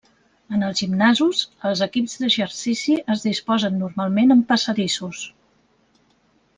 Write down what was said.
En els gimnasos, els equips d'exercici es disposen normalment en passadissos.